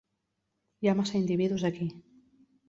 Hi ha massa individus aquí.